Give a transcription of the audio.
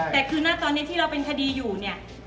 แต่คือหน้าตอนนี้ที่เราเป็นคดีอยู่เนี่ย